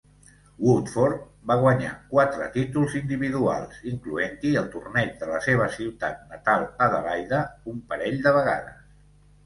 Woodforde va guanyar quatre títols individuals, incloent-hi el torneig de la seva ciutat natal Adelaide un parell de vegades.